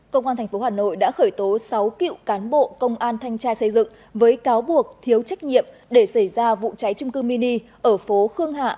công an tp hà nội đã khởi tố sáu cựu cán bộ công an thanh tra xây dựng với cáo buộc thiếu trách nhiệm để xảy ra vụ cháy trung cư mini ở phố khương hạ